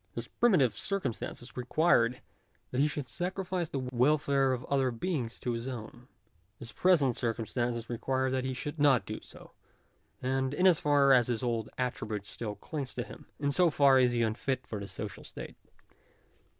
His primitive circum stances required that he should sacrifice the welfare of other beings to his own ; his present circumstances require that he should not do so ; and in as far as his old attribute still clings to him, in so far is he unfit for the social state.